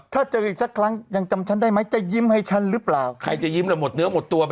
ใครจะยิ้มกับคุณได้